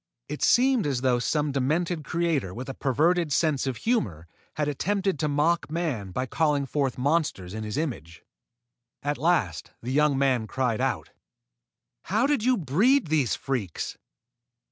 It seemed as though some demented creator with a perverted sense of humor had attempted to mock man by calling forth monsters in his image. At last the young man cried out: "How did you breed these freaks?"